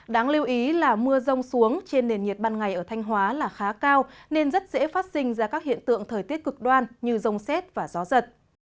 đáng lưu ý là mưa rông xuống trên nền nhiệt ban ngày ở thanh hóa là khá cao nên rất dễ phát sinh ra các hiện tượng thời tiết cực đoan như rông xét và gió giật